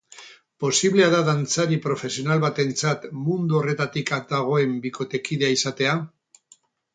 Posiblea da dantzari profesional batentzat mundu horretatik at dagoen bikotekidea izatea?